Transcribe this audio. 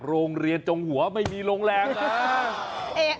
โรงเรียนจงหัวไม่มีโรงแรมนะ